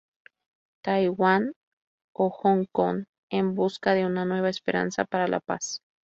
Taiwán o Hong Kong en busca de una nueva esperanza para la paz.